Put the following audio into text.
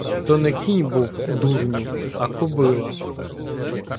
— То не кінь був, дурню, а кобила.